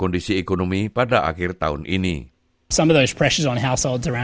dengan ekonomi yang lebih luas dari penurunan jumlah pelajar